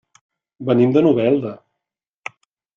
Venim de Novelda.